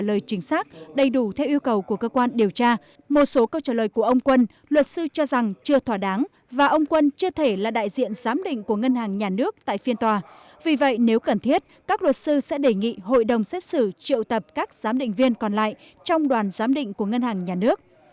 trả lời chính xác đầy đủ theo yêu cầu của cơ quan điều tra một số câu trả lời của ông quân luật sư cho rằng chưa thỏa đáng và ông quân chưa thể là đại diện giám định của ngân hàng nhà nước tại phiên tòa vì vậy nếu cần thiết các luật sư sẽ đề nghị hội đồng xét xử triệu tập các giám định viên còn lại trong đoàn giám định của ngân hàng nhà nước